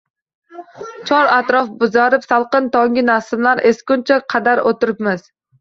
Chor-atrof boʻzarib, salqin tonggi nasimlar esgunga qadar oʻtiribmiz.